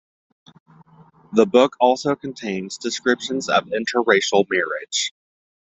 The book also contains descriptions of interracial marriage.